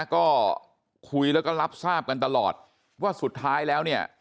ก็คุยแล้วก็รับทราบกันตลอดว่าสุดท้ายแล้วเนี่ย